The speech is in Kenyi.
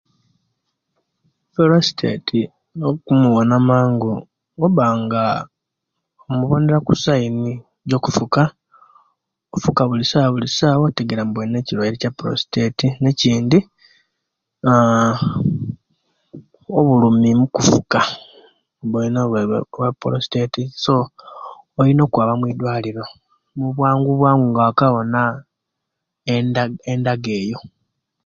Prositeti okumuwona mangu obanga omubonera kusaini ejokufuka kufuka bulisawa bulisawa obanga otegeera nti olina ekirwaire kya'prostaite ne'kindi obulumi mukufuka oba olina obulwaire bwa prositeti so olina okwaba mudwaliro muwanguwangu nga wakabona enda endaga eyo